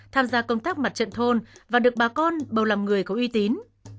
tham gia công tác mặt trận thôn và được bà con bầu làm người có uy tín